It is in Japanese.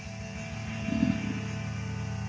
うん。